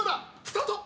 スタート！